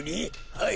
はい。